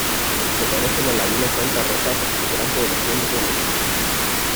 Se conoce la laguna Santa Rosa por su gran población de flamencos.